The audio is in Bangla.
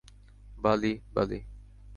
বালি, বালি।